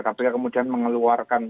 kpk kemudian mengeluarkan